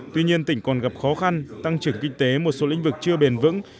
tuy nhiên tỉnh còn gặp khó khăn tăng trưởng kinh tế một số lĩnh vực chưa bền vững